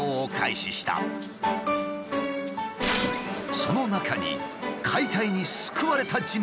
その中に解体に救われた人物がいるという。